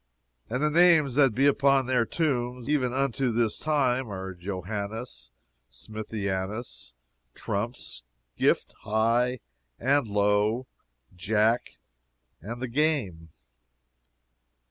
And the names that be upon their tombs, even unto this time, are Johannes Smithianus, Trumps, Gift, High, and Low, Jack, and The Game.